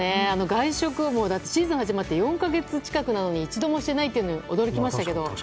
外食、シーズン始まって４か月近くなのに一度もしていないのっていうのに驚きましたけども。